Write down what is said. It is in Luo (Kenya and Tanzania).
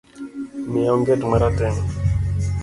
Miya onget marateng